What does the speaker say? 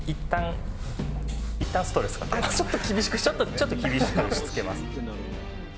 ちょっと厳しくしつけます。